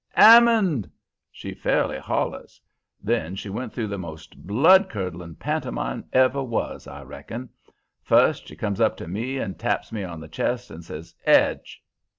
"''AMMOND!' she fairly hollers. Then she went through the most blood curdling pantomime ever was, I reckon. First she comes up to me and taps me on the chest and says, ''Edge.'